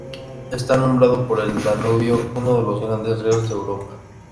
Está nombrado por el Danubio, uno de los grandes ríos de Europa.